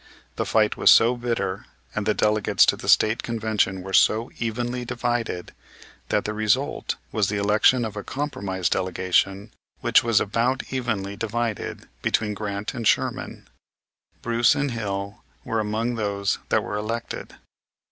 The fight was so bitter, and the delegates to the State Convention were so evenly divided, that the result was the election of a compromise delegation which was about evenly divided between Grant and Sherman. Bruce and Hill were among those that were elected.